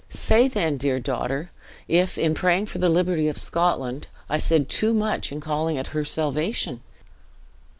Say then, dear daughter, if, in praying for the liberty of Scotland, I said too much in calling it her salvation?"